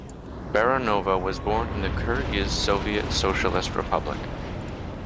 Baranova was born in the Kirghiz Soviet Socialist Republic.